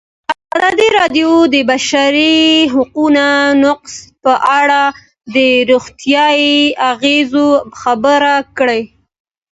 ازادي راډیو د د بشري حقونو نقض په اړه د روغتیایي اغېزو خبره کړې.